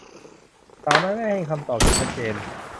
สาวน้อยไม่ให้คำตอบที่ชัดเจน